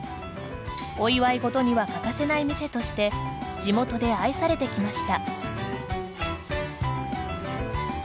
お祝い事には欠かせない店として地元で愛されてきました。